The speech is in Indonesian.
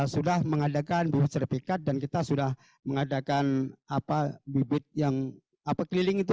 sudah mengadakan bibit sertifikat dan kita sudah mengadakan bibit yang keliling itu